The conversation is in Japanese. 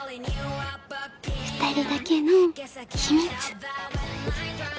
２人だけの秘密